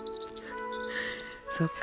そうか。